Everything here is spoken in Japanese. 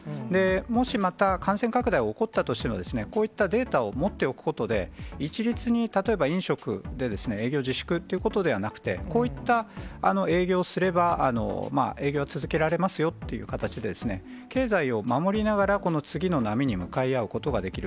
もしまた感染拡大が起こったとしても、こういったデータを持っておくことで、一律に例えば飲食で、営業自粛ということではなくて、こういった営業をすれば、営業は続けられますよという形で、経済を守りながら、この次の波に向かい合うことができる。